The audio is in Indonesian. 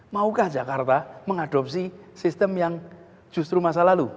maukah jakarta mengadopsi sistem yang justru masa lalu